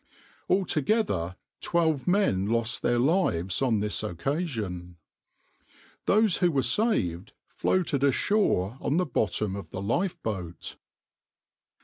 Altogether twelve men lost their lives on this occasion. Those who were saved floated ashore on the bottom of the lifeboat.